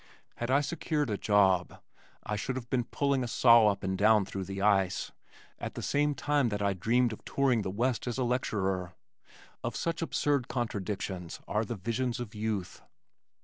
Had I secured "a job" I should have been pulling a saw up and down through the ice, at the same time that I dreamed of touring the west as a lecturer of such absurd contradictions are the visions of youth.